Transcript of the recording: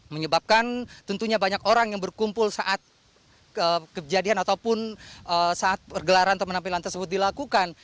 menyebabkan tentunya banyak orang yang berkumpul saat kejadian ataupun saat pergelaran atau penampilan tersebut dilakukan